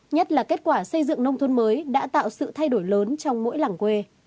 nhất là kết quả xây dựng nông thôn mới đã tạo sự thay đổi lớn trong mỗi làng quê